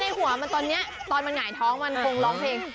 หัวมันตอนนี้ตอนมันหงายท้องมันคงร้องเพลง